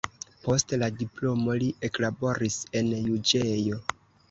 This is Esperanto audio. Post la diplomo li eklaboris en juĝejo.